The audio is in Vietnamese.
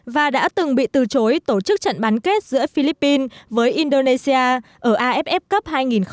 và đã từng bị từ chối tổ chức trận bán kết giữa philippines với indonesia ở aff cup hai nghìn một mươi tám